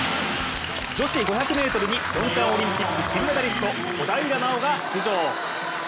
女子５００ｍにピョンチャンオリンピック金メダリスト、小平奈緒が出場。